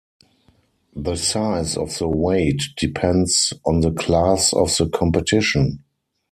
The size of the weight depends on the class of the competition.